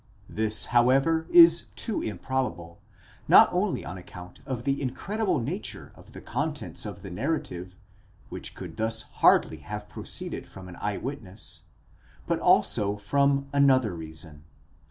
This, how ever, is too improbable, not only on account of the incredible nature of the con tents of the narrative, which could thus hardly have proceeded from an eye witness, but also from another reason.